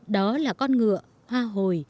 đó là con ngựa hoa hồi